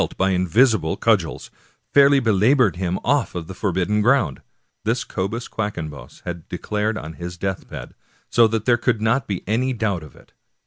200 Washington Irving by invisible cudgels, fairly belabored him off of the for bidden ground. This Cobus Quackenbos had declared on his deathbed, so that there could not be any doubt of it.